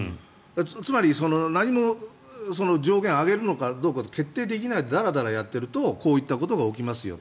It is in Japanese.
つまり、何も上限を上げるのかどうかを決定できないでダラダラやっているとこういうことが起きますよと。